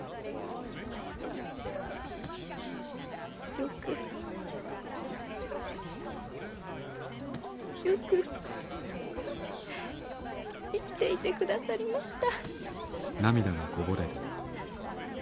よくよく生きていてくださりました。